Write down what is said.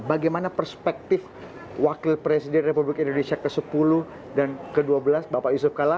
bagaimana perspektif wakil presiden republik indonesia ke sepuluh dan ke dua belas bapak yusuf kala